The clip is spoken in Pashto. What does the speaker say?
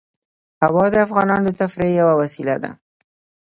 هوا د افغانانو د تفریح یوه وسیله ده.